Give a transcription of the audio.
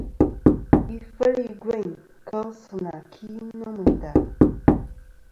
Ifel i gveyn kel sɨ nà ki nô mɨ nda.